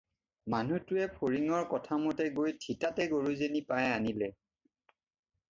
মানুহটোৱে ফৰিঙৰ কথা মতে গৈ থিতাতে গৰুজনী পাই আনিলে।